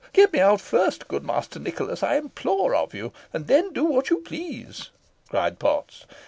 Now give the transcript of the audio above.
"Get me out first, good Master Nicholas, I implore of you, and then do what you please," cried Potts.